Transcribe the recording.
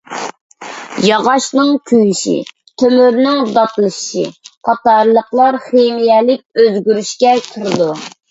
ياغاچنىڭ كۆيۈشى، تۆمۈرنىڭ داتلىشىشى قاتارلىقلار خىمىيەلىك ئۆزگىرىشكە كىرىدۇ.